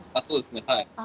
そうですねはい。